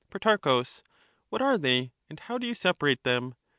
impure Pro. What are they, and how do you separate them